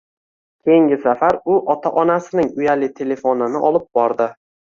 Keyingi safar u otasining uyali telefonini olib bordi.